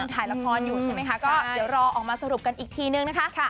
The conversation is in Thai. ถ่ายละครอยู่ใช่ไหมคะก็เดี๋ยวรอออกมาสรุปกันอีกทีนึงนะคะ